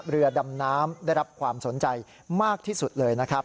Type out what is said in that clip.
เรือดำน้ำได้รับความสนใจมากที่สุดเลยนะครับ